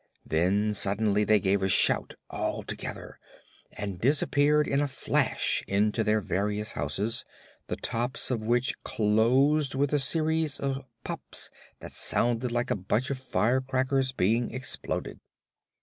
Then suddenly they gave a shout, all together, and disappeared in a flash into their various houses, the tops of which closed with a series of pops that sounded like a bunch of firecrackers being exploded.